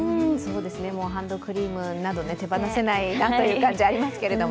ハンドクリームなど手放せないなという感じがありますけど。